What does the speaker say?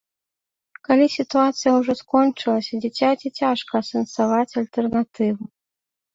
Калі сітуацыя ўжо скончылася, дзіцяці цяжка асэнсаваць альтэрнатыву.